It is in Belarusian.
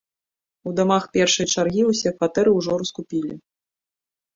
У дамах першай чаргі ўсё кватэры ўжо раскупілі.